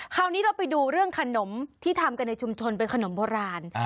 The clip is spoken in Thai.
คราวนี้เราไปดูเรื่องขนมที่ทำกันในชุมชนเป็นขนมโบราณ